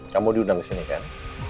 kamu diundang ke sini kan